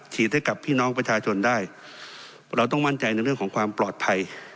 ให้กับพี่น้องประชาชนได้เราต้องมั่นใจในเรื่องของความปลอดภัย